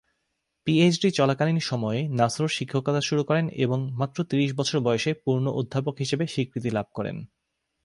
PhD চলাকালীন সময়েই নাসর শিক্ষকতা শুরু করেন এবং মাত্র ত্রিশ বছর বয়সে পূর্ণ অধ্যাপক হিসেবে স্বীকৃতি লাভ করেন।